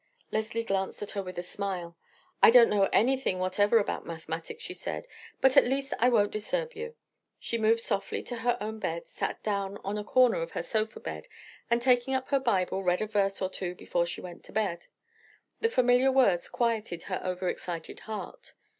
Leslie glanced at her with a smile. "I don't know anything whatever about mathematics," she said; "but, at least, I won't disturb you." She moved softly to her own end, sat down on a corner of her sofa bed, and taking up her Bible read a verse or two before she went to bed. The familiar words quieted her overexcited heart.